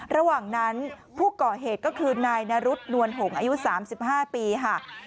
ระหว่างนั้นผู้ก่อเหตุก็คือนายนรุษนวลหงอายุ๓๕ปีค่ะ